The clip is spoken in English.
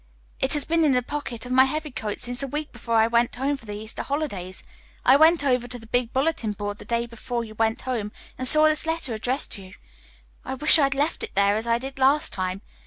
It has been in the pocket of my heavy coat since the week before I went home for the Easter holidays. I went over to the big bulletin board the day before you went home and saw this letter addressed to you. I wish I had left it there, as I did last time.